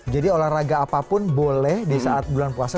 jadi olahraga apapun boleh disaat bulan puasa